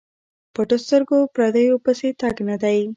پټو سترګو پردیو پسې تګ نه دی.